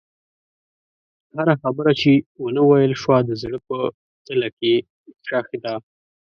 هره خبره چې ونه ویل شوه، د زړه په تله کې ښخ ده.